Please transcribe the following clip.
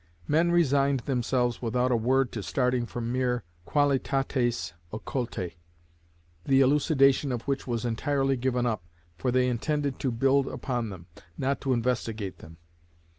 Men resigned themselves without a word to starting from mere qualitates occultæ, the elucidation of which was entirely given up, for they intended to build upon them, not to investigate them.